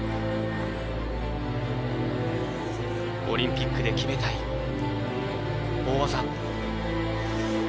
オリンピックで決めたい大技。